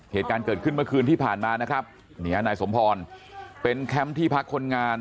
เหตุการณ์เกิดขึ้นเมื่อคืนที่ผ่านมานะครับนี่ฮะนายสมพรเป็นแคมป์ที่พักคนงาน